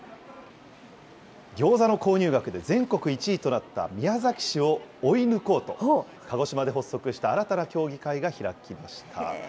ギョーザの購入額で全国１位となった宮崎市を追い抜こうと、鹿児島で発足した新たな協議会が開きました。